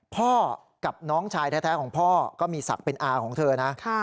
พ่อกับน้องชายแท้ของพ่อก็มีศักดิ์เป็นอาของเธอนะ